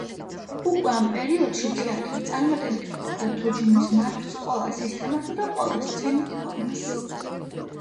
უკვე ამ პერიოდში თეატრი წარმატებით ფლობდა თოჯინის მართვის ყველა სისტემასა და ყველა სცენურ ფორმას.